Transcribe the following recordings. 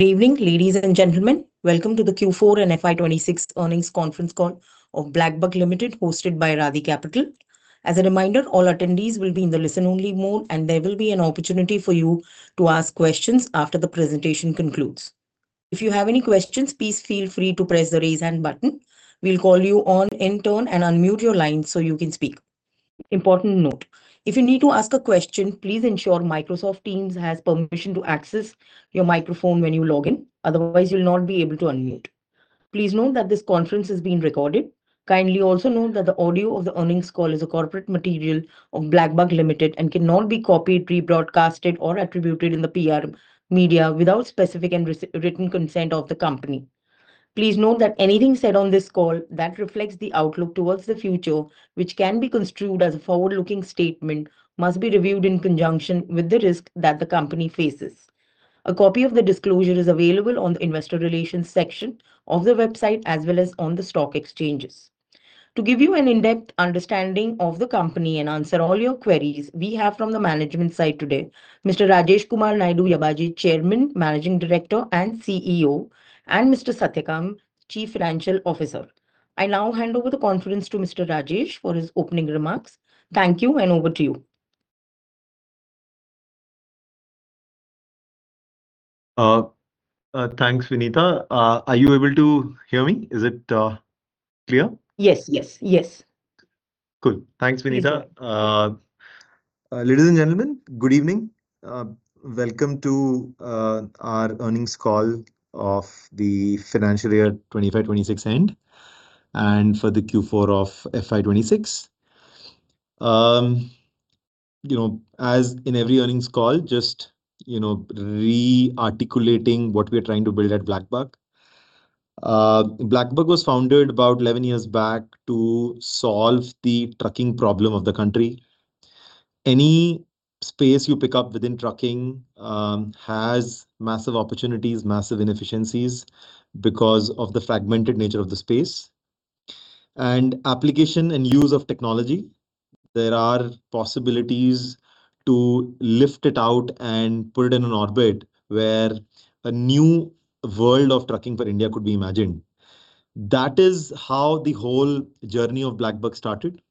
Good evening, ladies and gentlemen. Welcome to the Q4 and FY 2026 earnings conference call of BlackBuck Limited hosted by [Raadhi] Capital. As a reminder, all attendees will be in the listen-only mode, and there will be an opportunity for you to ask questions after the presentation concludes. If you have any questions, please feel free to press the raise hand button. We'll call you on in turn and unmute your line so you can speak. Important note: if you need to ask a question, please ensure Microsoft Teams has permission to access your microphone when you log in, otherwise you'll not be able to unmute. Please note that this conference is being recorded. Kindly also note that the audio of the earnings call is a corporate material of BlackBuck Limited and cannot be copied, rebroadcasted or attributed in the PR media without specific and written consent of the company. Please note that anything said on this call that reflects the outlook towards the future, which can be construed as a forward-looking statement, must be reviewed in conjunction with the risk that the company faces. A copy of the disclosure is available on the investor relations section of the website as well as on the stock exchanges. To give you an in-depth understanding of the company and answer all your queries, we have from the management side today, Mr. Rajesh Kumar Naidu Yabaji, Chairman, Managing Director and CEO, and Mr. Satyakam, Chief Financial Officer. I now hand over the conference to Mr. Rajesh for his opening remarks. Thank you, and over to you. Thanks, Vineeta. Are you able to hear me? Is it clear? Yes. Yes. Yes. Cool. Thanks, Vineeta. Ladies and gentlemen, good evening. Welcome to our earnings call of the financial year 2025, 2026 end and for the Q4 of FY 2026. You know, as in every earnings call, just, you know, re-articulating what we're trying to build at BlackBuck. BlackBuck was founded about 11 years back to solve the trucking problem of the country. Any space you pick up within trucking has massive opportunities, massive inefficiencies because of the fragmented nature of the space. Application and use of technology, there are possibilities to lift it out and put it in an orbit where a new world of trucking for India could be imagined. That is how the whole journey of BlackBuck started.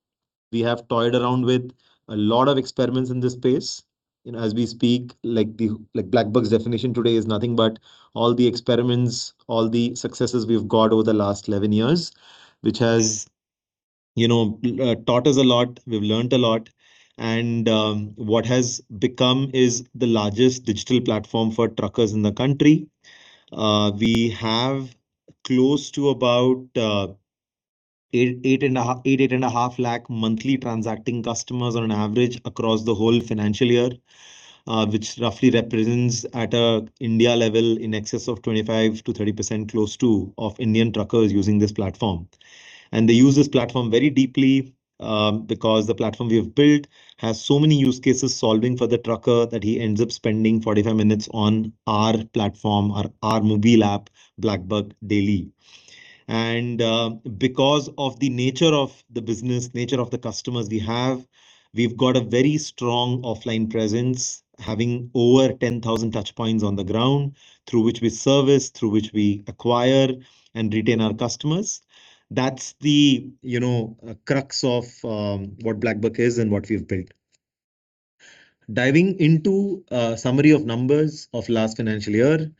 We have toyed around with a lot of experiments in this space. You know, as we speak, like the BlackBuck's definition today is nothing but all the experiments, all the successes we've got over the last 11 years, which has, you know, taught us a lot. We've learned a lot. What has become is the largest digital platform for truckers in the country. We have close to about 8.5 lakh monthly transacting customers on an average across the whole financial year, which roughly represents at a India level in excess of 25%-30% of Indian truckers using this platform. They use this platform very deeply because the platform we have built has so many use cases solving for the trucker that he ends up spending 45 minutes on our platform, our mobile app, BlackBuck, daily. Because of the nature of the business, nature of the customers we have, we've got a very strong offline presence, having over 10,000 touch points on the ground through which we service, through which we acquire and retain our customers. That's the, you know, crux of what BlackBuck is and what we've built. Diving into a summary of numbers of last financial year.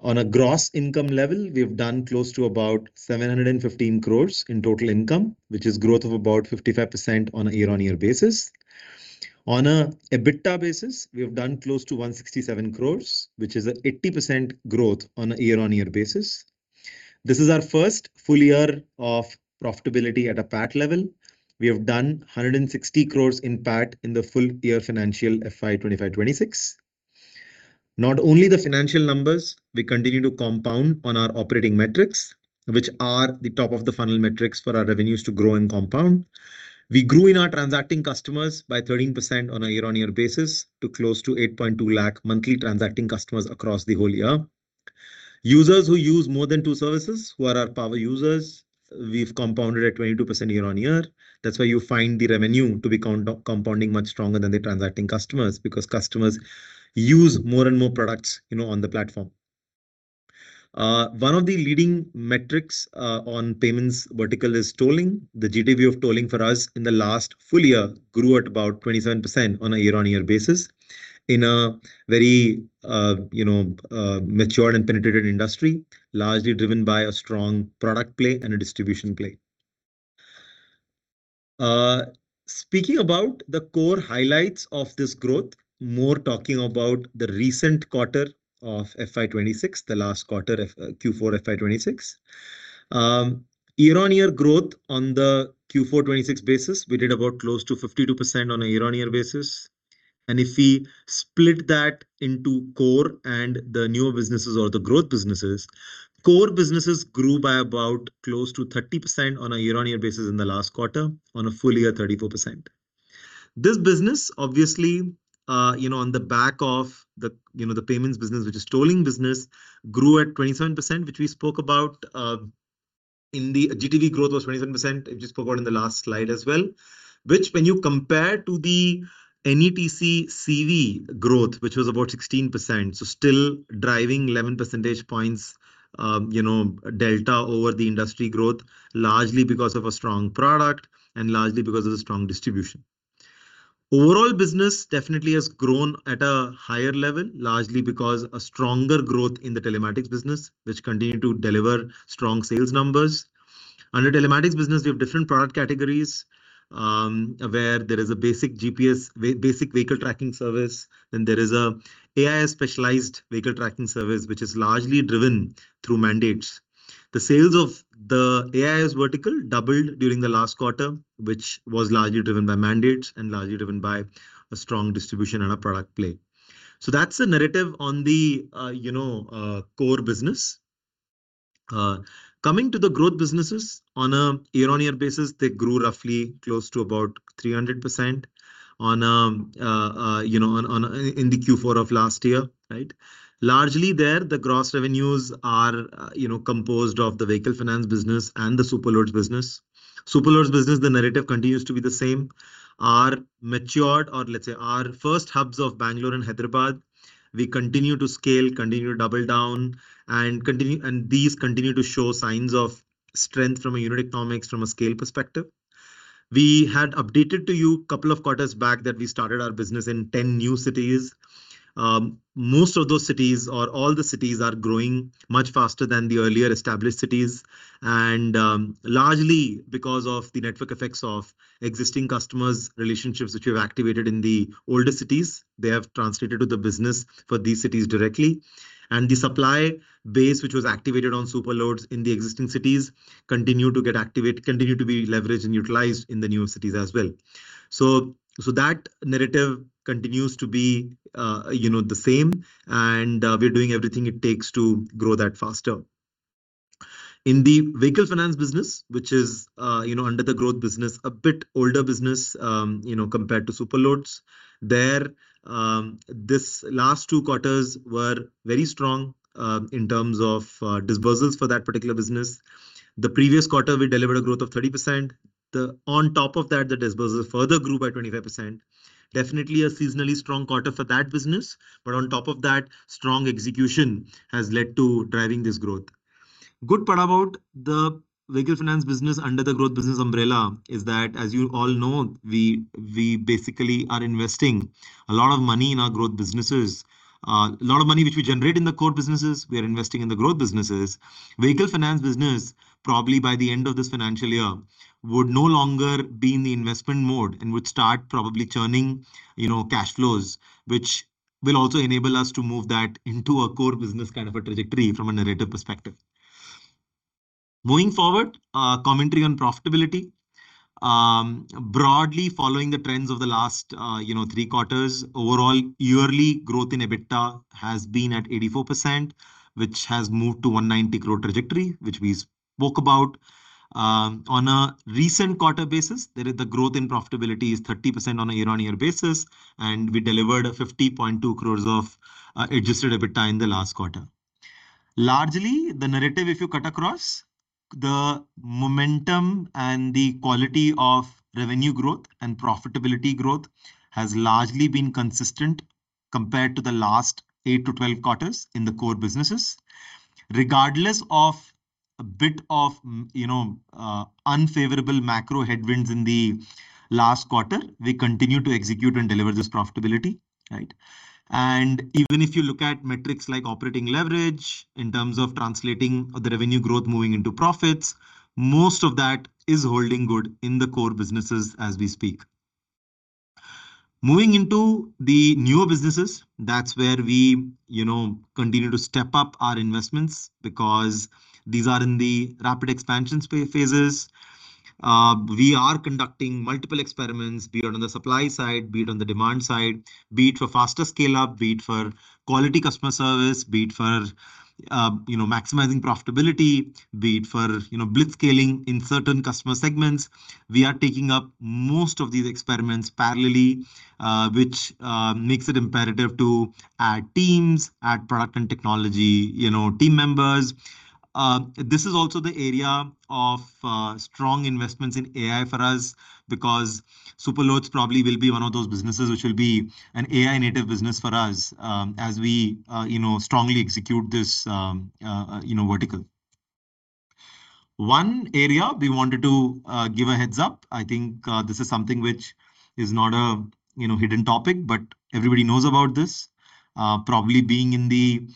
On a gross income level, we've done close to about 715 crore in total income, which is growth of about 55% on a year-on-year basis. On a EBITDA basis, we have done close to 167 crore, which is a 80% growth on a year-on-year basis. This is our first full year of profitability at a PAT level. We have done 160 crore in PAT in the full year financial FY 2025, FY 2026. Not only the financial numbers, we continue to compound on our operating metrics, which are the top of the funnel metrics for our revenues to grow and compound. We grew in our transacting customers by 13% on a year-on-year basis to close to 8.2 lakh monthly transacting customers across the whole year. Users who use more than two services, who are our power users, we've compounded at 22% year-on-year. That's why you find the revenue to be compounding much stronger than the transacting customers because customers use more and more products, you know, on the platform. One of the leading metrics on payments vertical is tolling. The GDV of tolling for us in the last full year grew at about 27% on a year-on-year basis in a very, you know, matured and penetrated industry, largely driven by a strong product play and a distribution play. Speaking about the core highlights of this growth, more talking about the recent quarter of FY 2026, the last quarter of Q4 FY 2026. Year-on-year growth on the Q4 2026 basis, we did about close to 52% on a year-on-year basis. If we split that into core and the newer businesses or the growth businesses, core businesses grew by about close to 30% on a year-on-year basis in the last quarter. On a full year, 34%. This business obviously, you know, on the back of the, you know, the payments business, which is tolling business, grew at 27%, which we spoke about, in the GDV growth was 27%, it just forgot in the last slide as well. Which when you compare to the NETC CV growth, which was about 16%, still driving 11 percentage points, you know, delta over the industry growth, largely because of a strong product and largely because of the strong distribution. Overall business definitely has grown at a higher level, largely because a stronger growth in the telematics business, which continue to deliver strong sales numbers. Under telematics business, we have different product categories, where there is a basic GPS vehicle tracking service, and there is a AIS specialized vehicle tracking service, which is largely driven through mandates. The sales of the AIS vertical doubled during the last quarter, which was largely driven by mandates and largely driven by a strong distribution and a product play. That's the narrative on the core business. Coming to the growth businesses on a year-on-year basis, they grew roughly close to about 300% in the Q4 of last year, right? Largely there, the gross revenues are composed of the vehicle finance business and the Superloads business. Superloads business, the narrative continues to be the same. Our matured or let's say our first hubs of Bangalore and Hyderabad, we continue to scale, continue to double down and these continue to show signs of strength from a unit economics from a scale perspective. We had updated to you couple of quarters back that we started our business in 10 new cities. Most of those cities or all the cities are growing much faster than the earlier established cities. Largely because of the network effects of existing customers' relationships which we've activated in the older cities, they have translated to the business for these cities directly. The supply base which was activated on Superloads in the existing cities continue to be leveraged and utilized in the newer cities as well. That narrative continues to be, you know, the same, we're doing everything it takes to grow that faster. In the vehicle finance business, which is, you know, under the growth business, a bit older business, you know, compared to Superloads. There, this last two quarters were very strong in terms of disbursements for that particular business. The previous quarter, we delivered a growth of 30%. On top of that, the disbursements further grew by 25%. Definitely a seasonally strong quarter for that business. On top of that, strong execution has led to driving this growth. Good part about the vehicle finance business under the growth business umbrella is that, as you all know, we basically are investing a lot of money in our growth businesses. A lot of money which we generate in the core businesses, we are investing in the growth businesses. Vehicle finance business, probably by the end of this financial year, would no longer be in the investment mode and would start probably churning, you know, cash flows, which will also enable us to move that into a core business kind of a trajectory from a narrative perspective. Moving forward, commentary on profitability. Broadly following the trends of the last, you know, three quarters, overall yearly growth in EBITDA has been at 84%, which has moved to 190 growth trajectory, which we spoke about. On a recent quarter basis, the growth in profitability is 30% on a year-on-year basis, and we delivered 50.2 crore of adjusted EBITDA in the last quarter. Largely, the narrative, if you cut across the momentum and the quality of revenue growth and profitability growth has largely been consistent compared to the last 8-12 quarters in the core businesses. Regardless of a bit of, you know, unfavorable macro headwinds in the last quarter, we continue to execute and deliver this profitability, right? Even if you look at metrics like operating leverage in terms of translating the revenue growth moving into profits, most of that is holding good in the core businesses as we speak. Moving into the newer businesses, that's where we, you know, continue to step up our investments because these are in the rapid expansion phases. We are conducting multiple experiments, be it on the supply side, be it on the demand side, be it for faster scale up, be it for quality customer service, be it for, you know, maximizing profitability, be it for, you know, blitzscaling in certain customer segments. We are taking up most of these experiments parallelly, which makes it imperative to add teams, add product and technology, you know, team members. This is also the area of strong investments in AI for us, because Superloads probably will be one of those businesses which will be an AI native business for us, as we, you know, strongly execute this, you know, vertical. One area we wanted to give a heads up, I think, this is something which is not a, you know, hidden topic, but everybody knows about this. Probably being in the,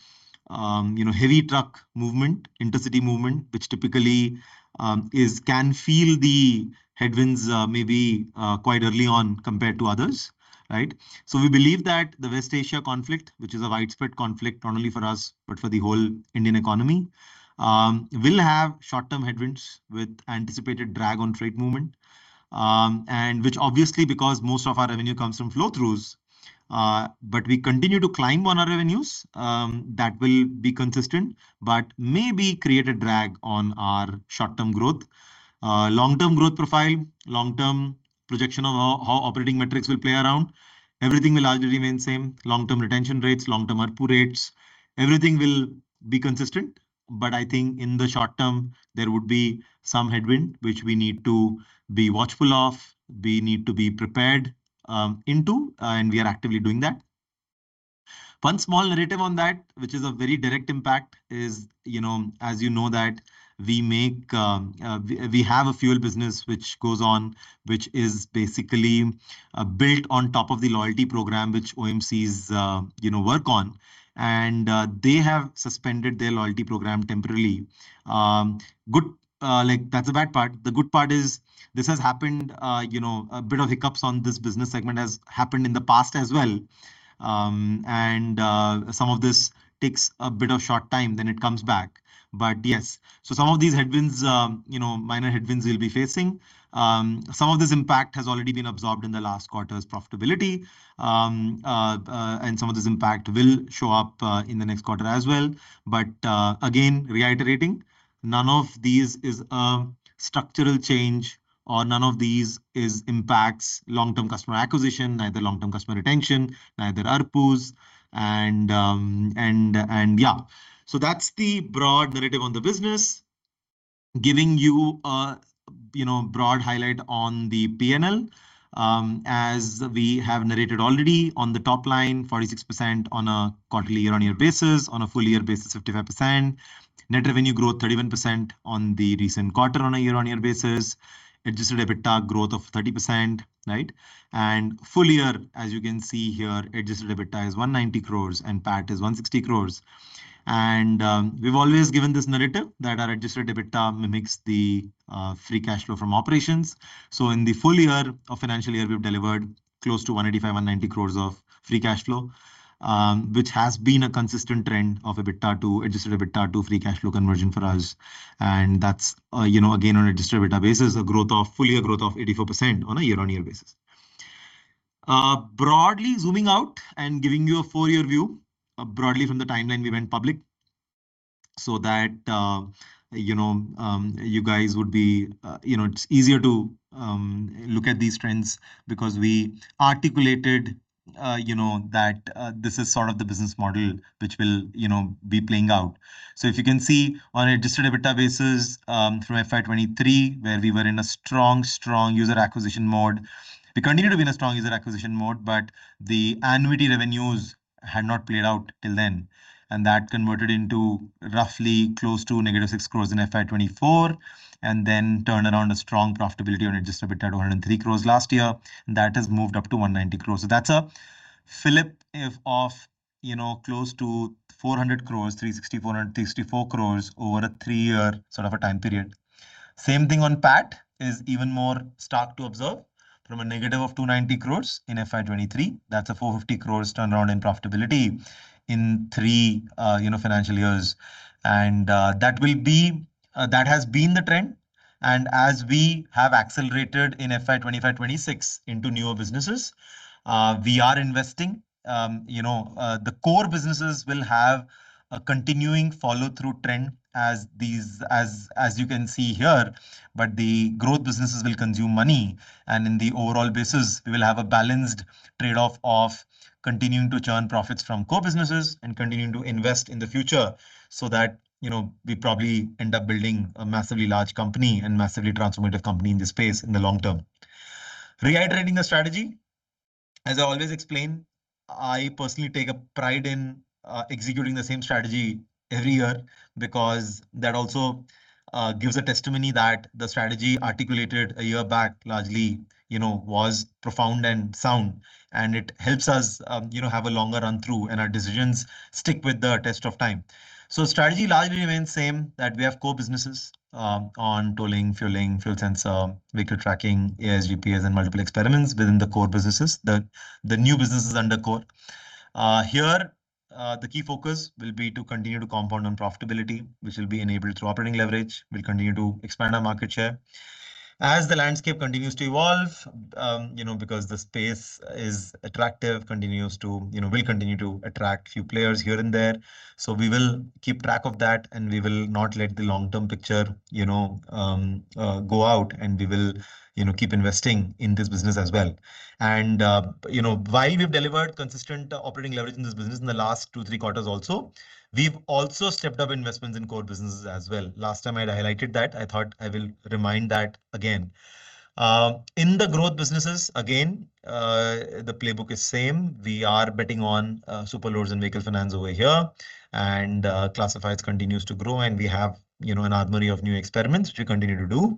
you know, heavy truck movement, intercity movement, which typically can feel the headwinds maybe quite early on compared to others, right? We believe that the West Asia conflict, which is a widespread conflict, not only for us, but for the whole Indian economy, will have short-term headwinds with anticipated drag on trade movement, which obviously, because most of our revenue comes from flow-throughs, we continue to climb on our revenues, that will be consistent, maybe create a drag on our [short-term growth.] Long-term growth profile, long-term projection of how operating metrics will play around, everything will largely remain same. Long-term retention rates, long-term ARPU rates, everything will be consistent. I think in the short-term, there would be some headwind which we need to be watchful of, we need to be prepared, and we are actively doing that. One small narrative on that, which is a very direct impact, is, you know, as you know that we make, we have a fuel business which goes on, which is basically built on top of the loyalty program, which [OMC is], you know, work on and they have suspended their loyalty program temporarily. Like, that's the bad part. The good part is this has happened, you know, a bit of hiccups on this business segment has happened in the past as well. Some of this takes a bit of short time, then it comes back. Yes. Some of these headwinds, you know, minor headwinds we'll be facing. Some of this impact has already been absorbed in the last quarter's profitability. Some of this impact will show up in the next quarter as well. Again, reiterating, none of these is a structural change or none of these is impacts long-term customer acquisition, neither long-term customer retention, neither ARPUs. That's the broad narrative on the business. Giving you a, you know, broad highlight on the P&L. As we have narrated already on the top-line, 46% on a quarterly year-on-year basis. On a full year basis, 55%. Net revenue growth 31% on the recent quarter on a year-on-year basis. Adjusted EBITDA growth of 30%. Full year, as you can see here, adjusted EBITDA is 190 crore and PAT is 160 crore. We've always given this narrative that our adjusted EBITDA mimics the free cash flow from operations. In the full year of financial year, we've delivered close to 185-190 crore of free cash flow, which has been a consistent trend of adjusted EBITDA to free cash flow conversion for us. That's, you know, again, on a distributor basis, a full year growth of 84% on a year-on-year basis. Broadly zooming out and giving you a full year view, broadly from the timeline we went public, that you guys would be, it's easier to look at these trends because we articulated that this is sort of the business model which will be playing out. If you can see on registered EBITDA basis, from FY 2023, where we were in a strong user acquisition mode, we continue to be in a strong user acquisition mode, but the annuity revenues had not played out till then. That converted into roughly close to -6 crore in FY 2024, turned around a strong profitability on adjusted EBITDA, 103 crore last year. That has moved up to 190 crore. That's a flip if off, close to 400 crore, 364 and 34 crore over a three-year sort of a time period. Same thing on PAT, is even more stark to observe. From a negative of 290 crore in FY 2023, that's a 450 crore turnaround in profitability in three financial years. That has been the trend. As we have accelerated in FY 2025, FY 2026 into newer businesses, we are investing, the core businesses will have a continuing follow-through trend as you can see here, but the growth businesses will consume money. In the overall basis, we will have a balanced trade-off of continuing to churn profits from core businesses and continuing to invest in the future so that, you know, we probably end up building a massively large company and massively transformative company in this space in the long term. Reiterating the strategy, as I always explain, I personally take a pride in executing the same strategy every year because that also gives a testimony that the strategy articulated a year back, largely, you know, was profound and sound, and it helps us, you know, have a longer run-through, and our decisions stick with the test of time. Strategy largely remains same, that we have core businesses on tolling, fueling, fuel sensor, vehicle tracking, AIS, GPS, and multiple experiments within the core businesses. The new businesses under core. Here, the key focus will be to continue to compound on profitability, which will be enabled through operating leverage. We'll continue to expand our market share. As the landscape continues to evolve, you know, because the space is attractive, continues to, you know, will continue to attract few players here and there. We will keep track of that, and we will not let the long-term picture, you know, go out, and we will, you know, keep investing in this business as well. You know, while we've delivered consistent operating leverage in this business in the last two, three quarters also, we've also stepped up investments in core businesses as well. Last time I highlighted that, I thought I will remind that again. In the growth businesses, again, the playbook is same. We are betting on Superloads and vehicle finance over here. Classifieds continues to grow, and we have, you know, an army of new experiments which we continue to do.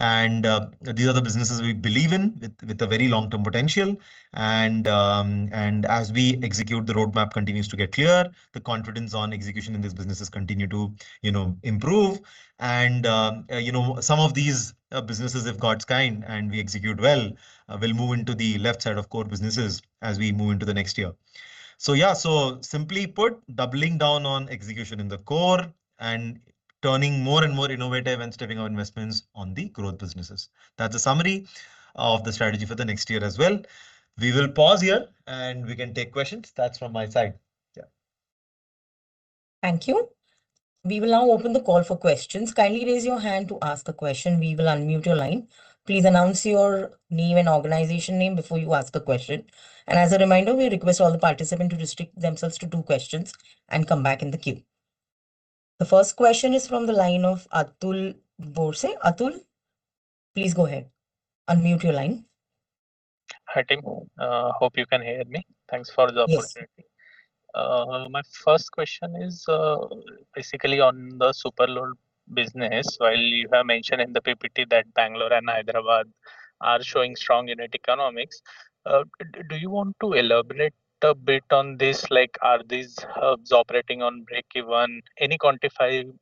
These are the businesses we believe in with a very long-term potential. As we execute, the roadmap continues to get clear, the confidence on execution in these businesses continue to, you know, improve. You know, some of these businesses, if God's kind and we execute well, will move into the left side of core businesses as we move into the next year. Simply put, doubling down on execution in the core and turning more and more innovative and stepping our investments on the growth businesses. That's a summary of the strategy for the next year as well. We will pause here, and we can take questions. That's from my side. Yeah. Thank you. We will now open the call for questions. Kindly raise your hand to ask a question. We will unmute your line. Please announce your name and organization name before you ask a question. As a reminder, we request all the participant to restrict themselves to two questions and come back in the queue. The first question is from the line of [Atul Borse]. [Atul], please go ahead. Unmute your line. Hi, team. Hope you can hear me. Thanks for the opportunity. Yes. My first question is basically on the Superloads business. While you have mentioned in the PPT that Bangalore and Hyderabad are showing strong unit economics, do you want to elaborate a bit on this? Like, are these hubs operating on break-even? Any quantifiable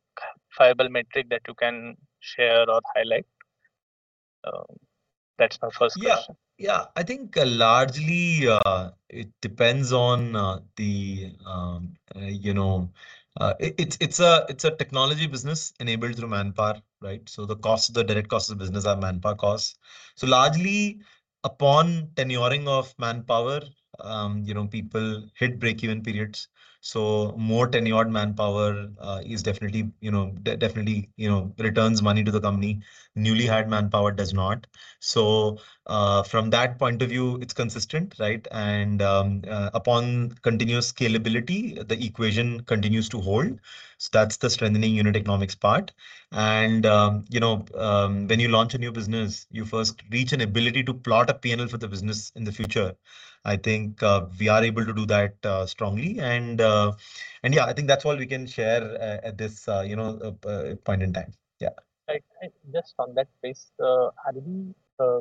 metric that you can share or highlight? That's my first question. Yeah, yeah. I think largely, it depends on, you know, it's a, it's a technology business enabled through manpower, right? The cost, the direct cost of business are manpower costs. Largely, upon tenuring of manpower, you know, people hit break-even periods. More tenured manpower is definitely, you know, returns money to the company. Newly hired manpower does not. From that point of view, it's consistent, right? Upon continuous scalability, the equation continues to hold. That's the strengthening unit economics part. You know, when you launch a new business, you first reach an ability to plot a P&L for the business in the future. I think we are able to do that strongly. Yeah, I think that's all we can share at this, you know, point in time. Yeah. I just found that space, are we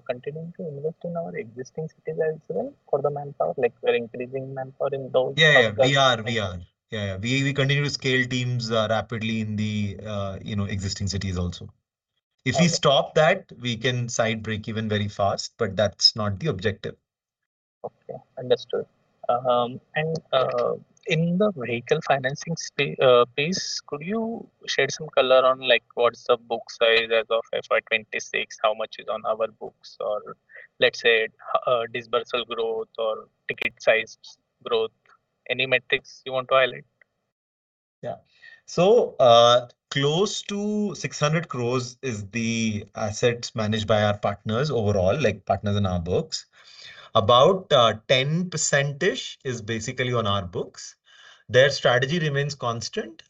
continuing to invest in our existing cities as well for the manpower? Like we're increasing manpower in those? Yeah, yeah. We are. Yeah. We continue to scale teams rapidly in the, you know, existing cities also. All right. If we stop that, we can side break-even very fast, but that's not the objective. Okay, understood. In the vehicle financing space, could you share some color on like what is the book size as of FY 2026? How much is on our books or let's say, dispersal growth or ticket size growth? Any metrics you want to highlight? Yeah. Close to 600 crore is the assets managed by our partners overall, like partners in our books. About 10%-ish is basically on our books. Their strategy remains constant.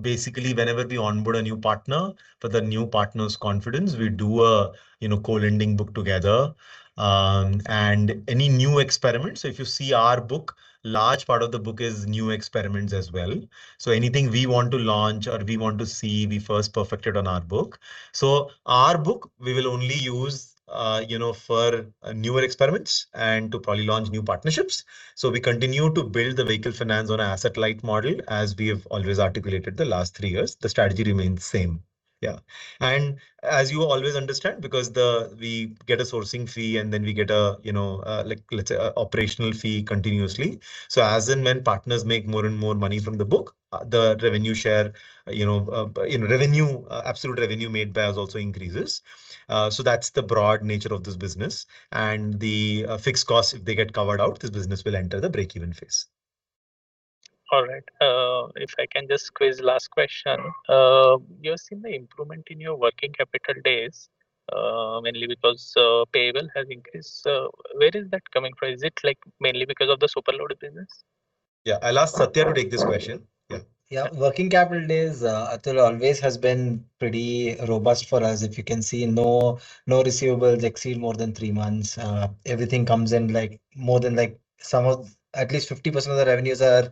Basically whenever we onboard a new partner, for the new partner's confidence, we do a, you know, co-lending book together. Any new experiments. If you see our book, large part of the book is new experiments as well. Anything we want to launch or we want to see, we first perfect it on our book. Our book we will only use, you know, for newer experiments and to probably launch new partnerships. We continue to build the vehicle finance on a asset-light model as we have always articulated the last three years. The strategy remains same. Yeah. As you always understand, because we get a sourcing fee and then we get a, you know, like let's say a operational fee continuously. As and when partners make more and more money from the book, the revenue share, you know, revenue, absolute revenue made by us also increases. That's the broad nature of this business. The fixed costs, if they get covered out, this business will enter the break-even phase. All right. If I can just squeeze last question? You're seeing the improvement in your working capital days, mainly because, payable has increased. Where is that coming from? Is it like mainly because of the Superloads business? Yeah. I'll ask [Satyakam] to take this question. Yeah. Yeah. Working capital days, [Atul], always has been pretty robust for us. If you can see no receivables exceed more than three months. Everything comes in like more than some of, at least, 50% of the revenues are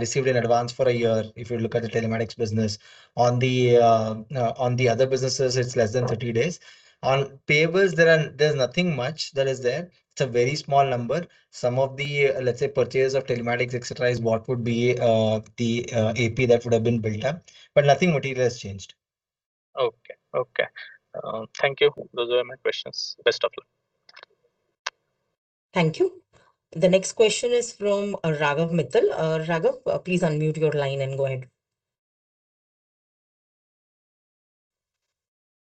received in advance for a year, if you look at the telematics business. On the other businesses, it's less than 30 days. On payables, there's nothing much that is there. It's a very small number. Some of the, let's say, purchase of telematics, et cetera, is what would be the AP that would have been built up. Nothing material has changed. Okay. Okay. Thank you. Those are my questions. Best of luck. Thank you. The next question is from [Raghav Mittal]. [Raghav], please unmute your line and go ahead.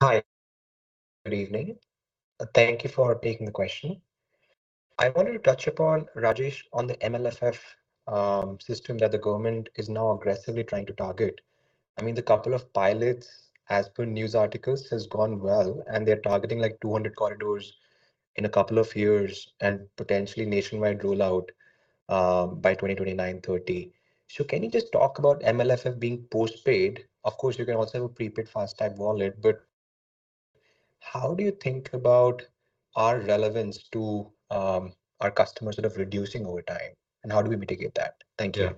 Hi, good evening. Thank you for taking the question. I wanted to touch upon, Rajesh, on the MLFF system that the government is now aggressively trying to target. I mean, the couple of pilots as per news articles has gone well, and they're targeting like 200 corridors in a couple of years and potentially nationwide rollout by 2029, 2030. Can you just talk about MLFF being postpaid? Of course, you can also have a prepaid FASTag wallet, but how do you think about our relevance to our customers sort of reducing over time, and how do we mitigate that? Thank you.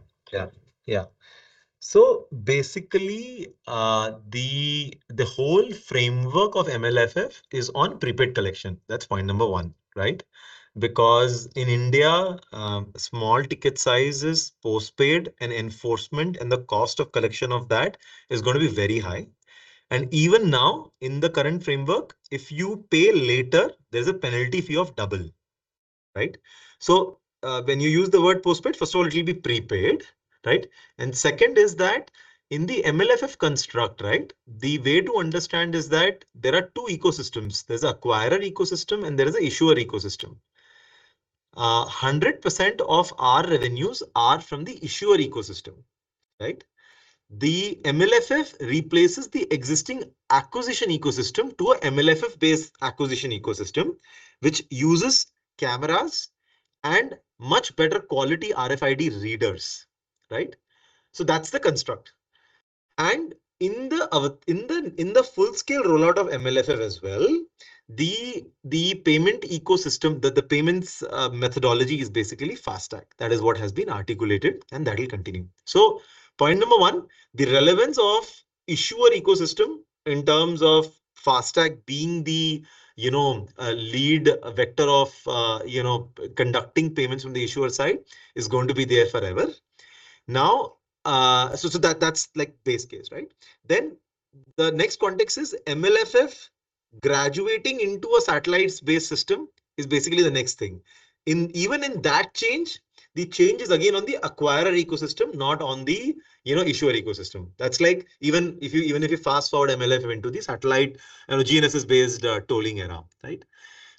Basically, the whole framework of MLFF is on prepaid collection. That's point number one, right? Because in India, small ticket sizes, postpaid and enforcement and the cost of collection of that is gonna be very high. Even now in the current framework, if you pay later, there's a penalty fee of double, right? When you use the word postpaid, first of all, it'll be prepaid, right? Second is that in the MLFF construct, right, the way to understand is that there are two ecosystems. There's acquirer ecosystem and there is a issuer ecosystem. 100% of our revenues are from the issuer ecosystem, right? The MLFF replaces the existing acquisition ecosystem to a MLFF-based acquisition ecosystem which uses cameras and much better quality RFID readers, right? That's the construct. In the full-scale rollout of MLFF as well, the payment ecosystem, the payments methodology is basically FASTag. That is what has been articulated and that will continue. Point number one, the relevance of issuer ecosystem in terms of FASTag being the, you know, lead vector of, you know, conducting payments from the issuer side is going to be there forever. That's like base case, right? The next context is MLFF graduating into a satellite-based system is basically the next thing. Even in that change, the change is again on the acquirer ecosystem, not on the, you know, issuer ecosystem. That's like even if you, even if you fast-forward MLFF into the satellite, you know, GNSS-based tolling era, right?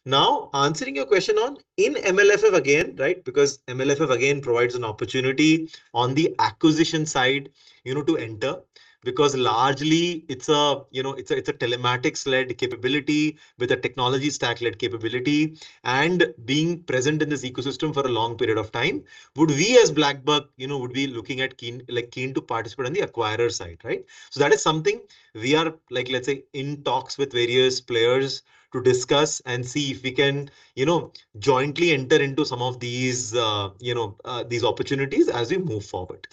Answering your question on in MLFF again, right? MLFF again provides an opportunity on the acquisition side, you know, to enter because largely it's a, you know, it's a, it's a telematics-led capability with a technology stack-led capability and being present in this ecosystem for a long period of time. Would we as BlackBuck, you know, would be looking at keen, like keen to participate on the acquirer side, right? That is something we are like let's say in talks with various players to discuss and see if we can, you know, jointly enter into some of these, you know, these opportunities as we move forward.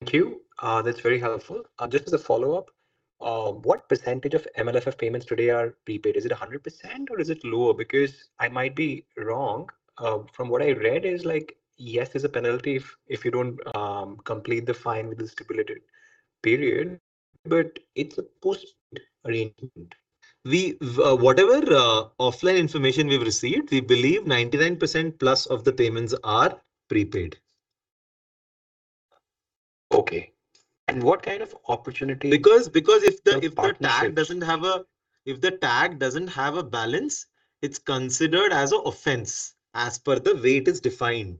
Thank you. That's very helpful. Just as a follow-up, what percentage of MLFF payments today are prepaid? Is it 100% or is it lower? I might be wrong. From what I read, it's like, yes, there's a penalty if you don't complete the fine with the stipulated period, but it's a postpaid arrangement. We, whatever, offline information we've received, we believe 99%+ of the payments are prepaid. Okay. What kind of opportunity- Because- for partnerships? If the tag doesn't have a balance, it's considered as an offense as per the way it is defined,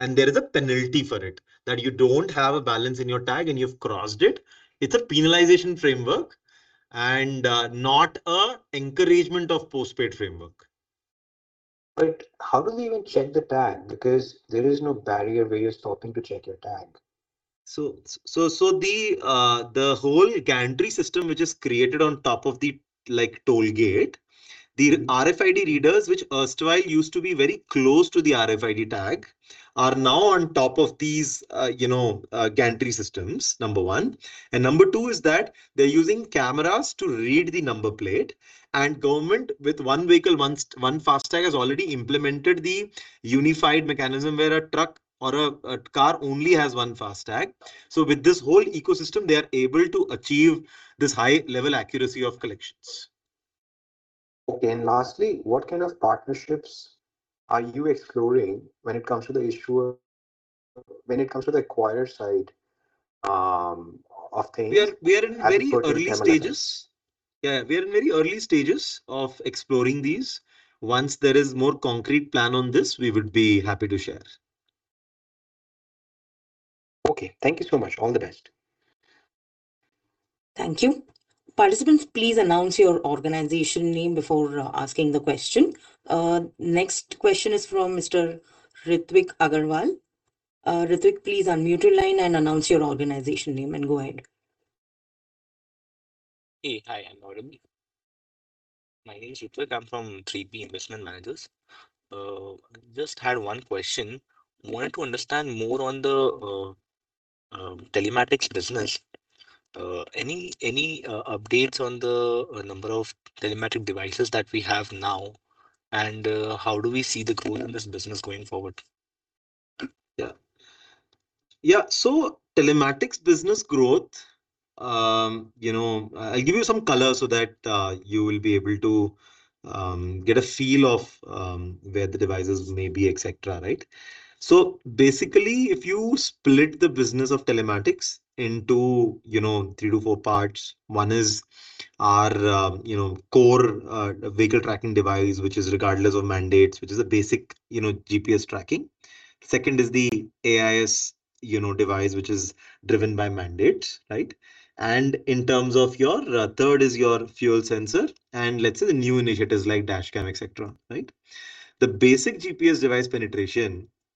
and there is a penalty for it. You don't have a balance in your tag and you've crossed it's a penalization framework and not an encouragement of postpaid framework. How do they even check the tag? There is no barrier where you're stopping to check your tag. The whole gantry system which is created on top of the like toll gate, the RFID readers which erstwhile used to be very close to the RFID tag are now on top of these, you know, gantry systems, number one. Number two is that they're using cameras to read the number plate, and government with one vehicle, one FASTag has already implemented the unified mechanism where a truck or a car only has one FASTag. With this whole ecosystem, they are able to achieve this high level accuracy of collections. Okay. Lastly, what kind of partnerships are you exploring when it comes to the issuer, when it comes to the acquirer side of things as you go to the telematics? We are in very early stages. Yeah, we are in very early stages of exploring these. Once there is more concrete plan on this, we would be happy to share. Okay. Thank you so much. All the best. Thank you. Participants please announce your organization name before asking the question. Next question is from Mr. [Ritvik] Agarwal. Ritvik, please unmute your line and announce your organization name and go ahead. Hey. Hi, I'm audible. My name is Ritvik. I'm from [3P Investment Managers]. just had one question. Wanted to understand more on the telematics business. Any updates on the number of telematic devices that we have now, and how do we see the growth in this business going forward? Yeah. Yeah. Telematics business growth, you know, I'll give you some color so that you will be able to get a feel of where the devices may be et cetera, right? Basically, if you split the business of telematics into, you know, three to four parts, one is our, you know, core vehicle tracking device which is regardless of mandates, which is a basic, you know, GPS tracking. Second is the AIS, you know, device which is driven by mandates, right? In terms of your, third is your fuel sensor and let's say the new initiatives like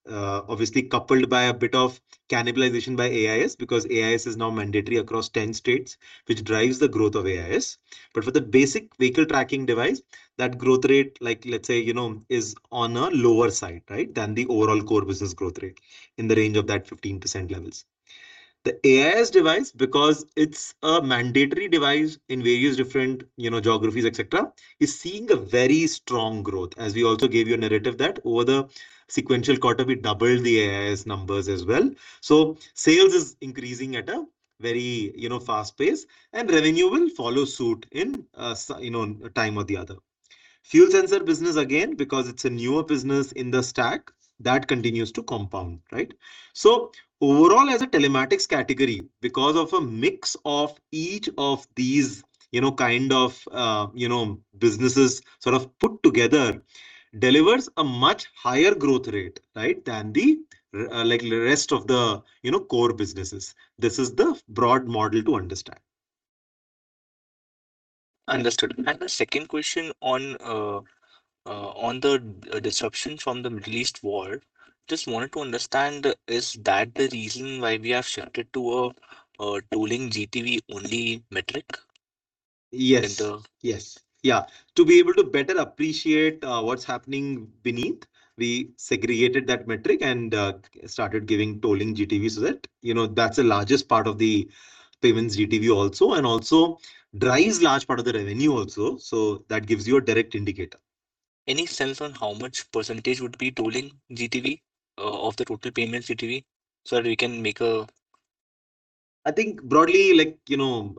dash cam et cetera, right? The basic GPS device penetration, obviously coupled by a bit of cannibalization by AIS because AIS is now mandatory across 10 states, which drives the growth of AIS. For the basic vehicle tracking device, that growth rate like let's say, you know, is on a lower side, right, than the overall core business growth rate in the range of that 15% levels. The AIS device, because it's a mandatory device in various different, you know, geographies et cetera, is seeing a very strong growth, as we also gave you a narrative that over the sequential quarter we doubled the AIS numbers as well. Sales is increasing at a very, you know, fast pace, and revenue will follow suit in a you know, time or the other. Fuel sensor business again, because it's a newer business in the stack. That continues to compound, right? Overall, as a telematics category, because of a mix of each of these, you know, kind of, you know, businesses sort of put together, delivers a much higher growth rate, right, than like the rest of the, you know, core businesses. This is the broad model to understand. Understood. The second question on the disruption from the Middle East war, just wanted to understand, is that the reason why we have shifted to a tolling GTV-only metric? Yes. In the- Yes. Yeah. To be able to better appreciate, what's happening beneath, we segregated that metric and started giving tolling GTV so that, you know, that's the largest part of the payments GTV also, and also drives large part of the revenue also. That gives you a direct indicator. Any sense on how much percentage would be tolling GTV, of the total payment GTV. I think broadly, you know,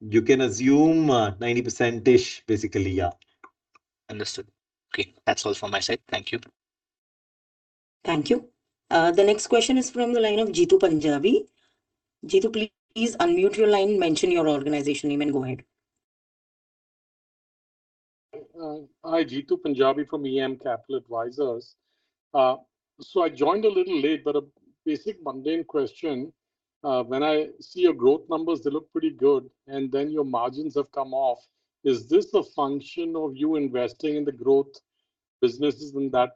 you can assume, 90%-ish basically, yeah. Understood. Okay. That's all from my side. Thank you. Thank you. The next question is from the line of Jeetu Panjabi. Jeetu, please unmute your line, mention your organization name and go ahead. Hi. Jeetu Panjabi from EM Capital Advisors. I joined a little late, but a basic mundane question. When I see your growth numbers, they look pretty good, and then your margins have come off. Is this the function of you investing in the growth businesses and that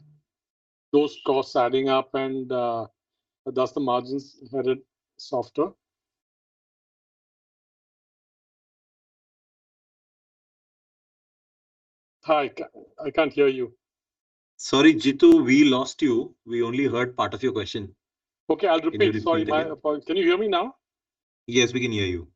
those costs adding up and thus the margins headed softer? Hi, I can't hear you. Sorry, Jeetu, we lost you. We only heard part of your question. Okay. I'll repeat. If you could repeat it. Sorry. My apologies. Can you hear me now? Yes, we can hear you.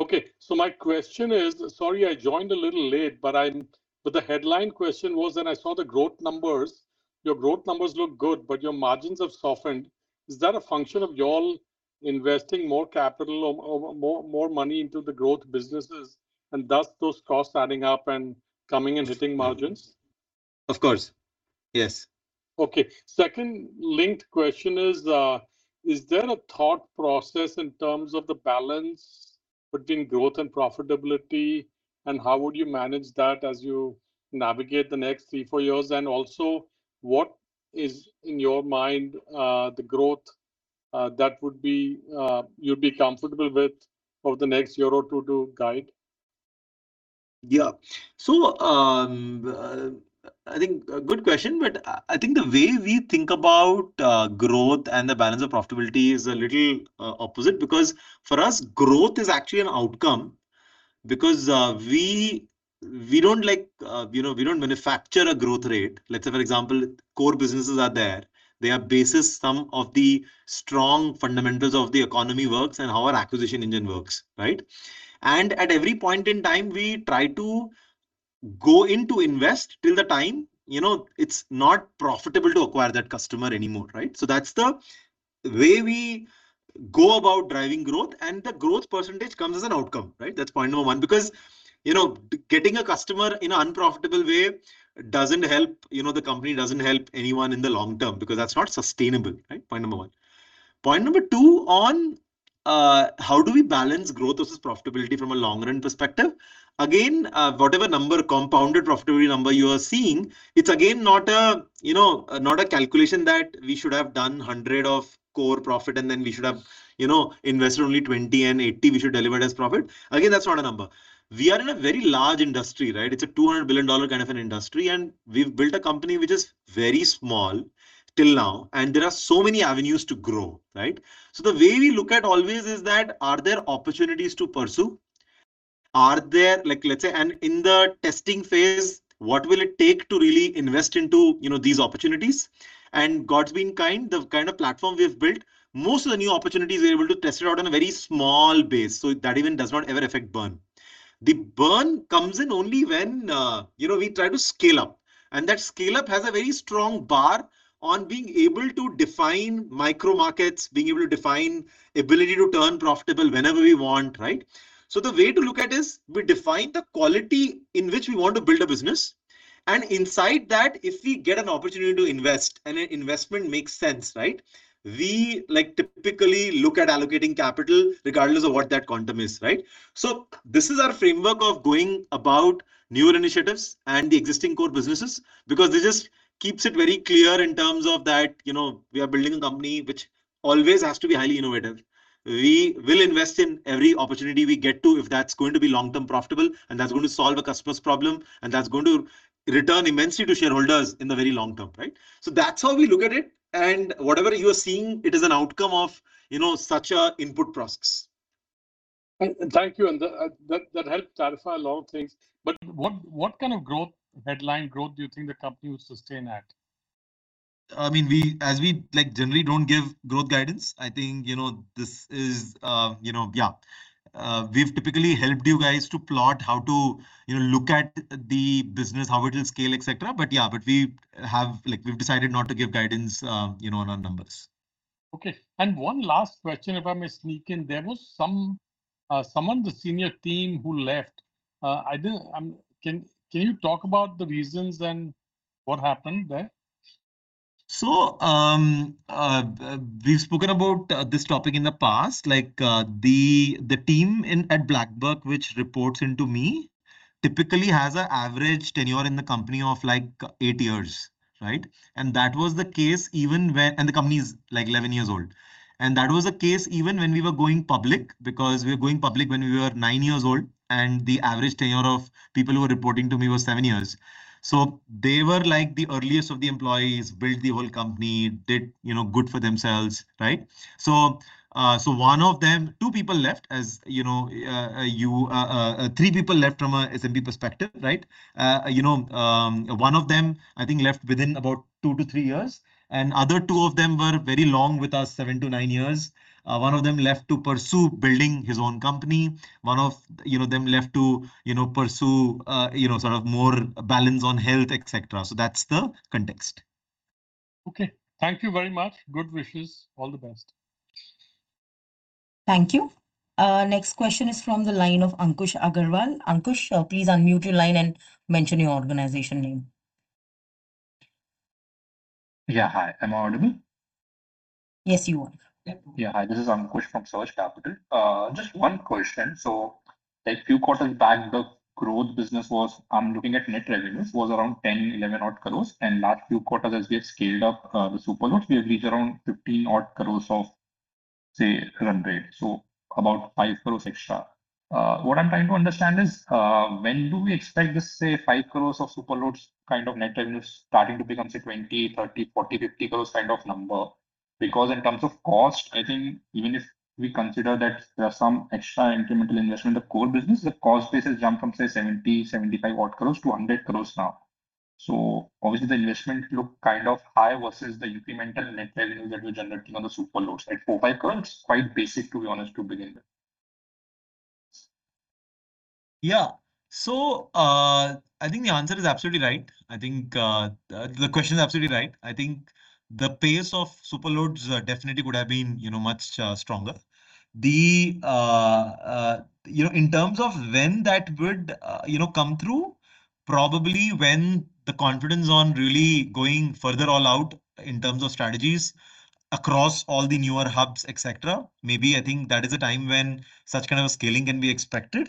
Okay. My question is, sorry, I joined a little late. The headline question was when I saw the growth numbers, your growth numbers look good, but your margins have softened. Is that a function of y'all investing more capital or more money into the growth businesses, and thus those costs adding up and coming and hitting margins? Of course, yes. Okay. Second linked question is there a thought process in terms of the balance between growth and profitability? How would you manage that as you navigate the next three, four years? Also, what is in your mind, the growth that would be, you'd be comfortable with for the next year or two to guide? Yeah. I think a good question, but I think the way we think about growth and the balance of profitability is a little opposite, because for us, growth is actually an outcome. Because we don't like, you know, we don't manufacture a growth rate. Let's say, for example, core businesses are there. They are basis some of the strong fundamentals of the economy works and how our acquisition engine works, right? At every point in time we try to go in to invest till the time, you know, it's not profitable to acquire that customer anymore, right? That's the way we go about driving growth, and the growth percentage comes as an outcome, right? That's point number one, because, you know, getting a customer in an unprofitable way doesn't help, you know, the company, doesn't help anyone in the long term, because that's not sustainable, right? Point number one. Point number two on how do we balance growth versus profitability from a long-run perspective. Again, whatever number, compounded profitability number you are seeing, it's again not a, you know, not a calculation that we should have done 100 of core profit and then we should have, you know, invested only 20, and 80 we should deliver it as profit. Again, that's not a number. We are in a very large industry, right? It's a $200 billion kind of an industry, and we've built a company which is very small till now, and there are so many avenues to grow, right? The way we look at always is that are there opportunities to pursue? Are there, like let's say in the testing phase, what will it take to really invest into, you know, these opportunities? God's been kind. The kind of platform we've built, most of the new opportunities we're able to test it out on a very small base, so that even does not ever affect burn. The burn comes in only when, you know, we try to scale up, and that scale up has a very strong bar on being able to define micro markets, being able to define ability to turn profitable whenever we want, right? The way to look at is, we define the quality in which we want to build a business, and inside that, if we get an opportunity to invest and an investment makes sense, right, we, like, typically look at allocating capital regardless of what that quantum is, right? This is our framework of going about newer initiatives and the existing core businesses, because this just keeps it very clear in terms of that, you know, we are building a company which always has to be highly innovative. We will invest in every opportunity we get to if that's going to be long-term profitable, and that's going to solve a customer's problem, and that's going to return immensely to shareholders in the very long term, right? That's how we look at it. Whatever you are seeing, it is an outcome of, you know, such a input process. Thank you. That helped clarify a lot of things. What kind of growth, headline growth do you think the company will sustain at? I mean, as we, like, generally don't give growth guidance, I think, you know, this is, you know. Yeah. We've typically helped you guys to plot how to, you know, look at the business, how it will scale, et cetera. Yeah, but we have, like, we've decided not to give guidance, you know, on our numbers. Okay. One last question, if I may sneak in. There was some, someone in the senior team who left. Can you talk about the reasons and what happened there? We've spoken about this topic in the past. Like, the team in, at BlackBuck which reports into me typically has an average tenure in the company of like eight years, right? That was the case even when the company is like 11 years old. That was the case even when we were going public, because we were going public when we were nine years old, and the average tenure of people who were reporting to me was seven years. They were like the earliest of the employees, built the whole company, did, you know, good for themselves, right? One of them, two people left as, you know, three people left from a S&OP perspective, right? you know, one of them, I think left within about two to three years, and other two of them were very long with us, seven to nine years. One of them left to pursue building his own company. One of, you know, them left to, you know, pursue, you know, sort of more balance on health, et cetera. That's the context. Okay. Thank you very much. Good wishes. All the best. Thank you. Next question is from the line of [Ankush Agarwal]. Ankush, please unmute your line and mention your organization name. Yeah. Hi. Am I audible? Yes, you are. Yeah. Hi. This is Ankush from Surge Capital. Just one question. like few quarters back, the growth business was, I'm looking at net revenues, was around 10, 11 odd crore. last few quarters as we have scaled up, the Superloads, we have reached around 15 odd crore of, say, run rate, so about 5 crore extra. what I'm trying to understand is, when do we expect this, say, 5 crore of Superloads kind of net revenues starting to become, say, 20, 30, 40, 50 crore kind of number? in terms of cost, I think even if we consider that there are some extra incremental investment, the core business, the cost base has jumped from, say, 70, 75 odd crore to 100 crore now. Obviously the investment looks kind of high versus the incremental net revenue that we are generating on the Superloads. At 4-5 crore, quite basic, to be honest, to begin with. I think the answer is absolutely right. I think the question is absolutely right. I think the pace of Superloads definitely would have been, you know, much stronger. you know, in terms of when that would, you know, come through, probably when the confidence on really going further all out in terms of strategies across all the newer hubs, et cetera. Maybe I think that is a time when such kind of scaling can be expected.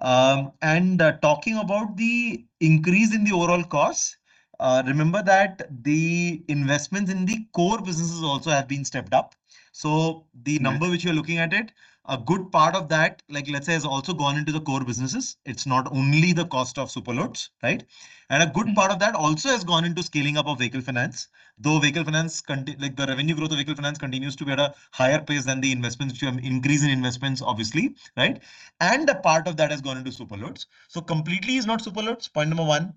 And talking about the increase in the overall costs, remember that the investments in the core businesses also have been stepped up. The number- Yeah. which you're looking at it, a good part of that, like let's say, has also gone into the core businesses. It's not only the cost of Superloads, right? A good part of that also has gone into scaling up of vehicle finance. Though vehicle finance the revenue growth of vehicle finance continues to be at a higher pace than the investments, which you have increase in investments obviously, right? A part of that has gone into Superloads. Completely is not Superloads, point number one.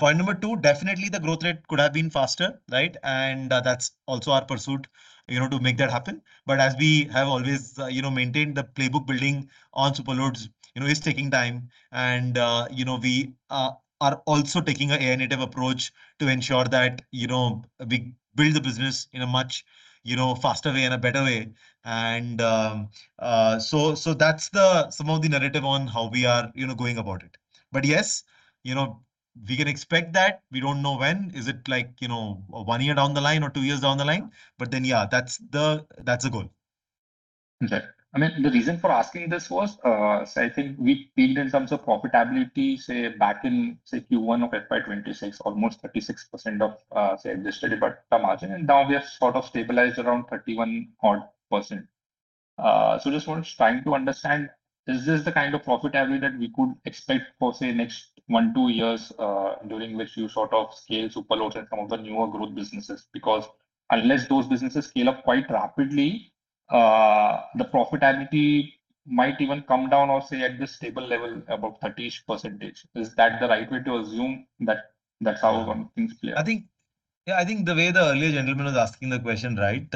Point number two, definitely the growth rate could have been faster, right? That's also our pursuit, you know, to make that happen. As we have always, you know, maintained the playbook building on Superloads, you know, is taking time and, you know, we are also taking a narrative approach to ensure that, you know, we build the business in a much, you know, faster way and a better way. So that's the some of the narrative on how we are, you know, going about it. Yes, you know, we can expect that. We don't know when. Is it like, you know, one year down the line or two years down the line? Yeah, that's the goal. I mean, the reason for asking this was, I think we peaked in terms of profitability, back in Q1 of FY 2026, almost 36% of adjusted EBITDA margin, and now we have sort of stabilized around 31% odd. Trying to understand, is this the kind of profitability that we could expect for next one, two years, during which you sort of scale Superloads and some of the newer growth businesses? Unless those businesses scale up quite rapidly, the profitability might even come down or, at this stable level about 30-ish percentage. Is that the right way to assume that that's how things play out? I think Yeah, I think the way the earlier gentleman was asking the question, right,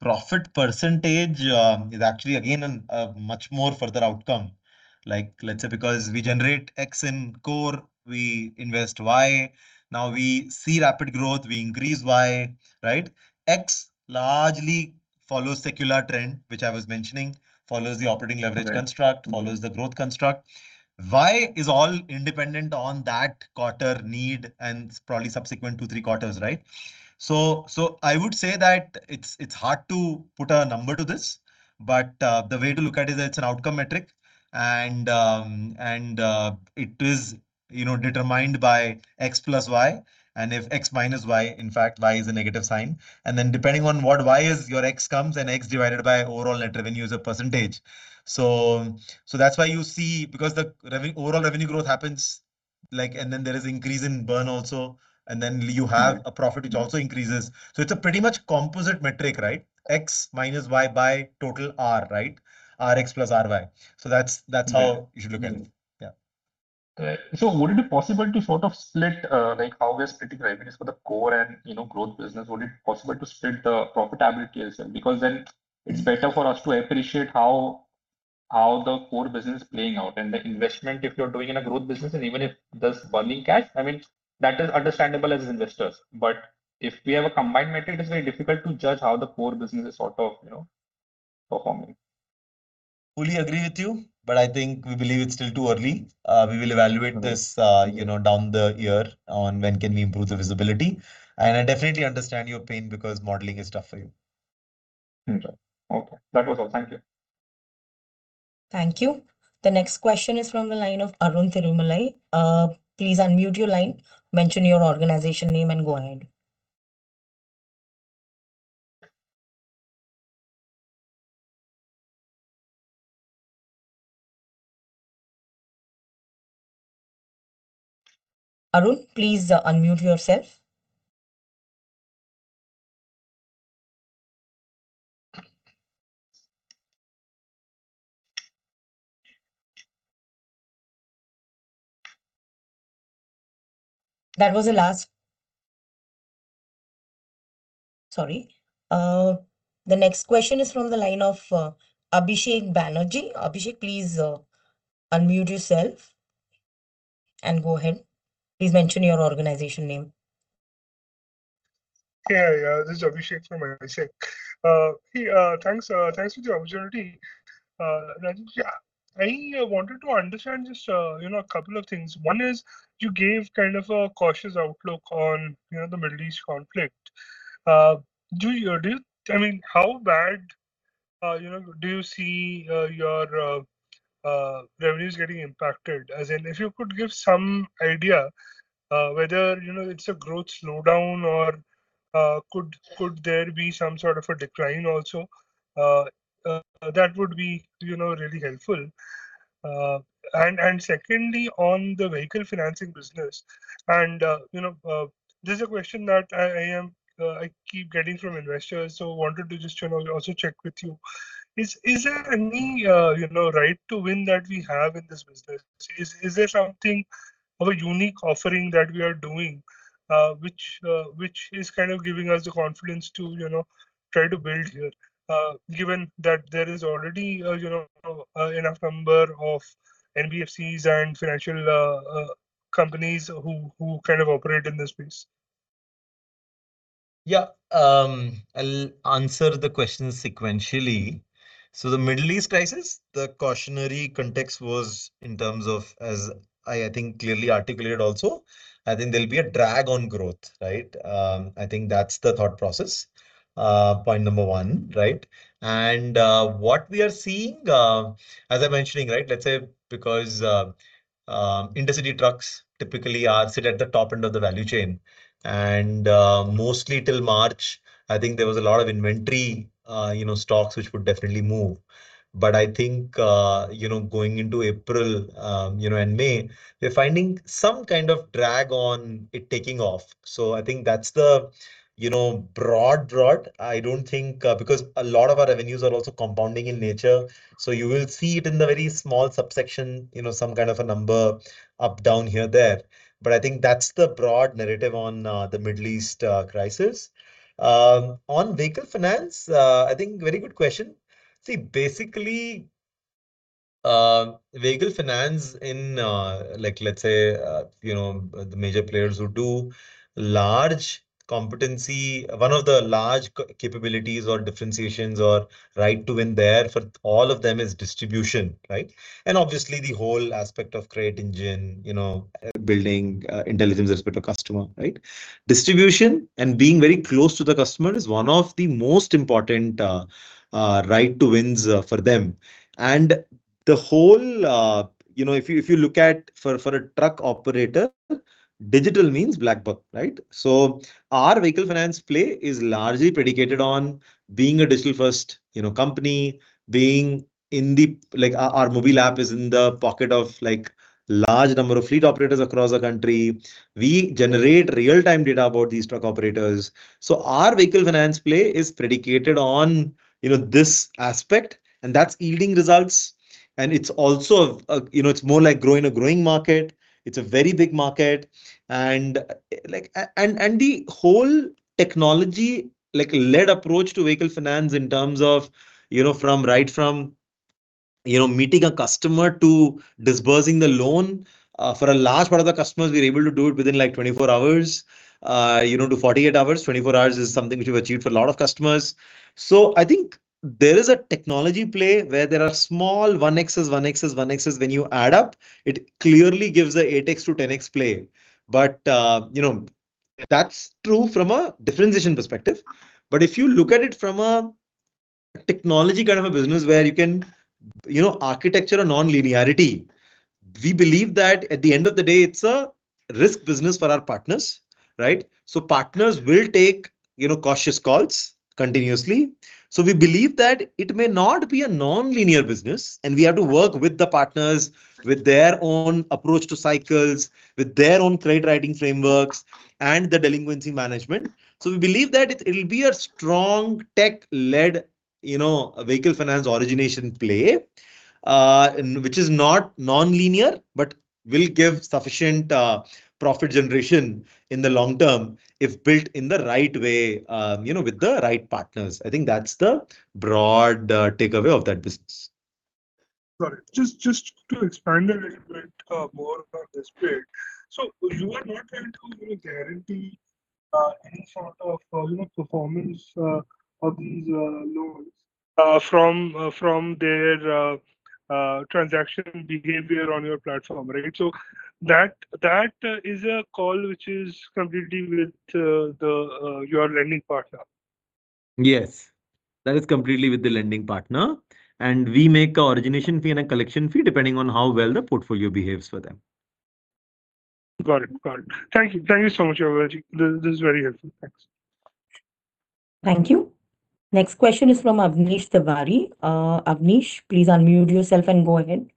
profit percentage is actually again a much more further outcome. Like let's say because we generate X in core, we invest Y. Now we see rapid growth, we increase Y, right? X largely follows secular trend, which I was mentioning, follows the operating leverage. Right. Construct, follows the growth construct. Y is all independent on that quarter need and probably subsequent two, three quarters, right? I would say that it's hard to put a number to this, but the way to look at it's an outcome metric and it is, you know, determined by X plus Y, and if X minus Y, in fact Y is a negative sign. Depending on what Y is your X comes, and X divided by overall net revenue is a percentage. That's why you see, because the overall revenue growth happens, like, and then there is increase in burn also, and then you have a profit which also increases. It's a pretty much composite metric, right? X minus Y by total R, right? RX plus RY. Right. Mm-hmm. You should look at it. Yeah. Right. Would it be possible to sort of split, like how we are splitting revenues for the core and, you know, growth business? Would it be possible to split the profitability as well? Then it's better for us to appreciate how the core business playing out and the investment if you're doing in a growth business and even if there's burning cash, I mean that is understandable as investors. If we have a combined metric, it is very difficult to judge how the core business is sort of, you know, performing. Fully agree with you, but I think we believe it's still too early. Okay. We will evaluate this, you know, down the year on when can we improve the visibility. I definitely understand your pain because modeling is tough for you. Mm-hmm. Okay. That was all. Thank you. Thank you. The next question is from the line of [Arun Thirumalai]. Please unmute your line, mention your organization name, and go ahead. Arun, please unmute yourself. The next question is from the line of Abhishek Banerjee. Abhishek, please unmute yourself and go ahead. Please mention your organization name. Yeah. This is Abhishek from [ICICI Sec]. Hey, thanks for the opportunity. Rajesh, yeah, I wanted to understand just, you know, a couple of things. One is you gave kind of a cautious outlook on, you know, the Middle East conflict. Do you, I mean, how bad, you know, do you see your revenues getting impacted? As in if you could give some idea, whether, you know, it's a growth slowdown or could there be some sort of a decline also? That would be, you know, really helpful. Secondly, on the vehicle financing business, and, you know, this is a question that I keep getting from investors, so wanted to just, you know, also check with you. Is there any, you know, right to win that we have in this business? Is there something of a unique offering that we are doing, which is kind of giving us the confidence to, you know, try to build here, given that there is already, you know, enough number of NBFCs and financial companies who kind of operate in this space? Yeah. I'll answer the questions sequentially. The Middle East crisis, the cautionary context was in terms of, as I think clearly articulated also, I think there'll be a drag on growth, right? I think that's the thought process, point number one, right? What we are seeing, as I'm mentioning, right, let's say because intercity trucks typically are sit at the top end of the value chain. Mostly till March, I think there was a lot of inventory, you know, stocks which would definitely move. I think, you know, going into April, you know, and May, we're finding some kind of drag on it taking off. I think that's the, you know, broad I don't think, because a lot of our revenues are also compounding in nature. You will see it in the very small subsection, you know, some kind of a number up down here there, but I think that's the broad narrative on the Middle East crisis. On vehicle finance, I think very good question. Basically, vehicle finance in like, let's say, you know, the major players who do large competency, one of the large capabilities or differentiations or right to win there for all of them is distribution, right? Obviously the whole aspect of credit engine, you know, building intelligence respect to customer, right? Distribution and being very close to the customer is one of the most important right to wins for them. The whole, you know, if you, if you look at for a truck operator, digital means BlackBuck, right? Our vehicle finance play is largely predicated on being a digital first, you know, company, being in the Like our mobile app is in the pocket of like large number of fleet operators across the country. We generate real-time data about these truck operators. Our vehicle finance play is predicated on, you know, this aspect, and that's yielding results. It's also a, you know, it's more like growing a growing market. It's a very big market and the whole technology, like, led approach to vehicle finance in terms of, you know, from right from, you know, meeting a customer to disbursing the loan, for a large part of the customers, we're able to do it within like 24 hours, you know, to 48 hours. 24 hours is something which we've achieved for a lot of customers. I think there is a technology play where there are small 1x, 1x, 1x. When you add up, it clearly gives a 8x-10x play. you know, that's true from a differentiation perspective. If you look at it from a technology kind of a business where you can, you know, architecture a non-linearity, we believe that at the end of the day, it's a risk business for our partners, right? Partners will take, you know, cautious calls continuously. We believe that it may not be a nonlinear business, and we have to work with the partners with their own approach to cycles, with their own credit writing frameworks and the delinquency management. We believe that it'll be a strong tech-led, you know, vehicle finance origination play. Which is not nonlinear, but will give sufficient profit generation in the long term if built in the right way, you know, with the right partners. I think that's the broad takeaway of that business. Got it. Just to expand a little bit more about this bit. You are not going to, you know, guarantee any sort of, you know, performance of these loans from their transaction behavior on your platform, right? That is a call which is completely with the your lending partner. Yes. That is completely with the lending partner, and we make a origination fee and a collection fee depending on how well the portfolio behaves for them. Got it. Got it. Thank you. Thank you so much, Rajesh. This is very helpful. Thanks. Thank you. Next question is from Avnish Tiwari. Avnish, please unmute yourself and go ahead.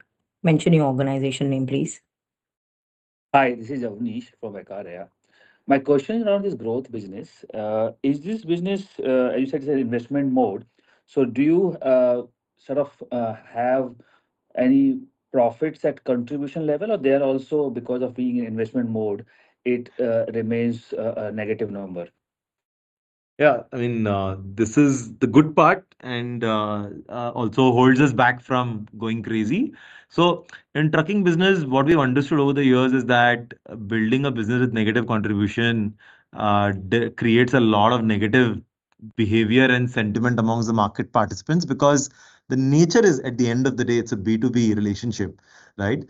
Mention your organization name, please. Hi, this is Avnish from [Vaikarya]. My question around this growth business. Is this business, you said is an investment mode, do you sort of have any profits at contribution level or they are also because of being in investment mode, it remains a negative number? Yeah, I mean, this is the good part and also holds us back from going crazy. In trucking business, what we've understood over the years is that building a business with negative contribution, creates a lot of negative behavior and sentiment amongst the market participants because the nature is, at the end of the day, it's a B2B relationship, right?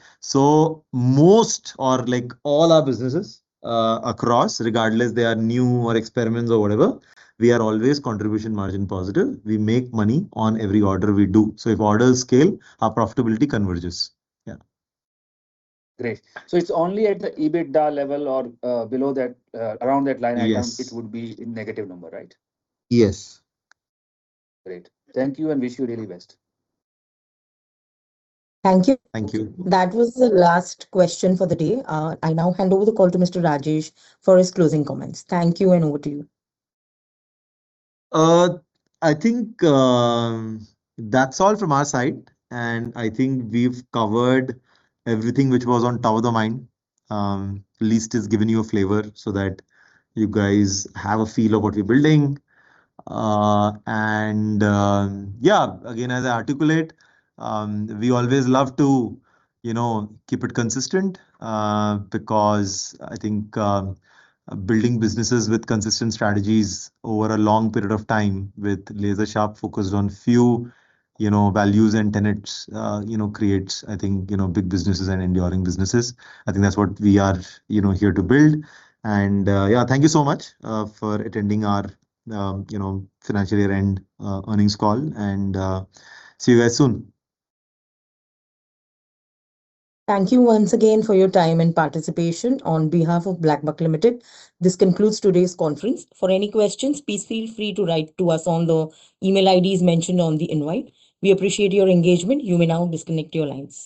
Most or like all our businesses, across, regardless they are new or experiments or whatever, we are always contribution margin positive. We make money on every order we do. If orders scale, our profitability converges. Yeah. Great. It's only at the EBITDA level or, below that, around that line item. Yes. It would be a negative number, right? Yes. Great. Thank you and wish you really best. Thank you. Thank you. That was the last question for the day. I now hand over the call to Mr. Rajesh for his closing comments. Thank you. Over to you. I think that's all from our side, and I think we've covered everything which was on top of the mind. At least it's given you a flavor so that you guys have a feel of what we're building. Yeah. Again, as I articulate, we always love to keep it consistent, because I think building businesses with consistent strategies over a long period of time with laser sharp focus on few values and tenets creates big businesses and enduring businesses. I think that's what we are here to build. Yeah, thank you so much for attending our financial year-end earnings call and see you guys soon. Thank you once again for your time and participation. On behalf of BlackBuck Limited, this concludes today's conference. For any questions, please feel free to write to us on the email IDs mentioned on the invite. We appreciate your engagement. You may now disconnect your lines.